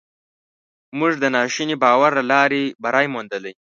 موږ د ناشوني باور له لارې بری موندلی.